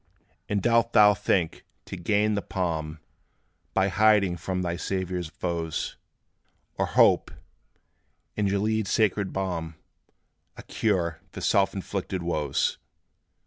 And dost thou think to gain the palm By hiding from thy Saviour's foes; Or hope in Gilead's sacred balm A cure for self inflicted woes?